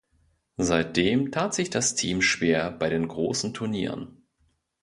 Seitdem tat sich das Team schwer bei den großen Turnieren.